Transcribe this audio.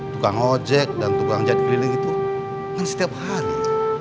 tukang ojek dan tukang jati keliling itu kan setiap hari